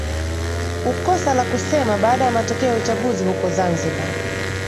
ukosa la kusema baada ya matokeo ya uchaguzi huko zanzibar